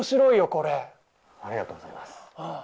これありがとうございますああ